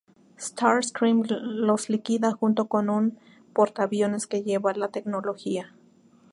Starscream los líquida junto con un portaaviones que lleva la tecnología.